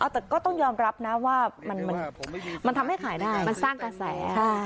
แต่ก็ต้องยอมรับนะว่ามันทำให้ขายได้มันสร้างกระแส